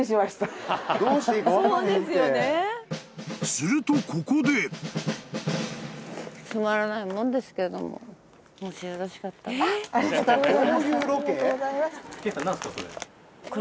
［するとここで］もしよろしかったら。